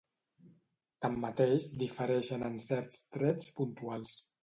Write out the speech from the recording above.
Tanmateix difereixen en certs trets puntuals.